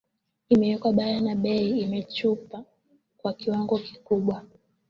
imeweka bayana bei imechupa kwa kiwango kikubwa